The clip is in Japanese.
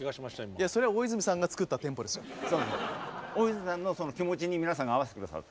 大泉さんのその気持ちに皆さんが合わせて下さった。